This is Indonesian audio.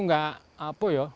tidak apa ya